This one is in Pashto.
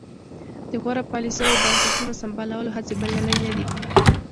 د غوره پالیسیو او بنسټونو سمبالولو هڅې بریالۍ نه دي.